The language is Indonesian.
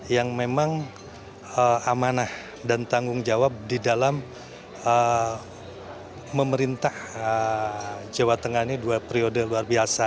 yang memang amanah dan tanggung jawab di dalam memerintah jawa tengah ini dua periode luar biasa